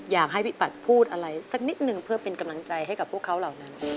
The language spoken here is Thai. อยากให้พี่ปัดพูดอะไรสักนิดนึงเพื่อเป็นกำลังใจให้กับพวกเขาเหล่านั้น